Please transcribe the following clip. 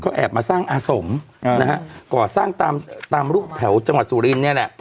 แอบมาสร้างอาสมนะฮะก่อสร้างตามตามรูปแถวจังหวัดสุรินเนี่ยแหละ